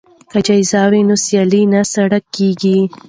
که جایزه وي نو سیالي نه سړه کیږي.